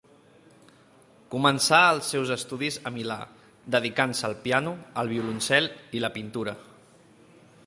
Començà els seus estudis a Milà, dedicant-se al piano, el violoncel i la pintura.